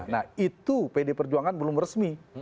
nah itu pd perjuangan belum resmi